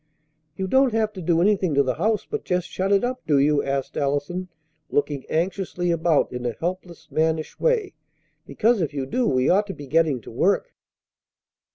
"You don't have to do anything to the house but just shut it up, do you?" asked Allison, looking anxiously about in a helpless, mannish way. "Because, if you do, we ought to be getting to work."